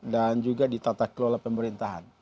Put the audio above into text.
dan juga di tata kelola pemerintahan